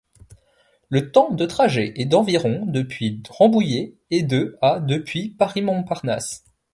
Le temps de trajet est d'environ depuis Rambouillet et de à depuis Paris-Montparnasse.